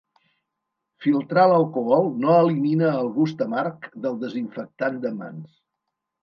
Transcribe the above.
Filtrar l'alcohol no elimina el gust amarg del desinfectant de mans.